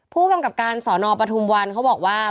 ผู้กำกับการสอนอปทุมวันเขาบอกว่า